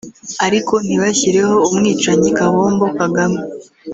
ariko ntibashyireho umwicanyi kabombo Kagame